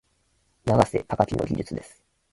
永瀬貴規の技術です。